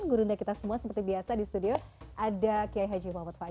gurunda kita semua seperti biasa di studio ada kiai haji muhammad faiz